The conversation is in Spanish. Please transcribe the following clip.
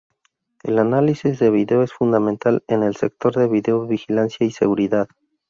El análisis de vídeo es fundamental en el sector de vídeo vigilancia y seguridad.